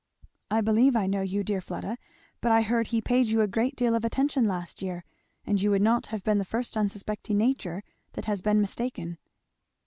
"I believe I know you, dear Fleda, but I heard he had paid you a great deal of attention last year; and you would not have been the first unsuspecting nature that has been mistaken."